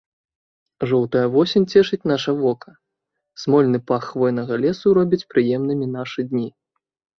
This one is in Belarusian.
Жоўтая восень цешыць наша вока, смольны пах хвойнага лесу робіць прыемнымі нашы дні.